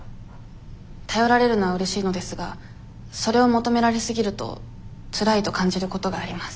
頼られるのはうれしいのですがそれを求められすぎるとつらいと感じることがあります。